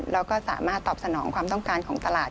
แล้วก็สามารถตอบสนองความต้องการของตลาด